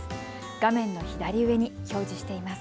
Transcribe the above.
画面の左上に表示しています。